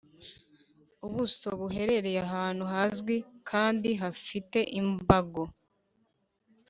ubuso buherereye ahantu hazwi kandi hafite imbago